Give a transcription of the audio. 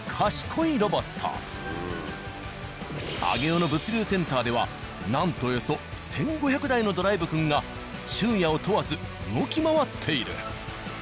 上尾の物流センターではなんとおよそ１５００台のドライブくんが昼夜を問わず動き回っている。